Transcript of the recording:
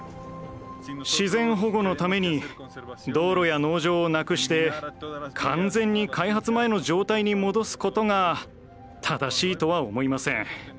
自然保護のために道路や農場をなくして完全に開発前の状態に戻すことが正しいとは思いません。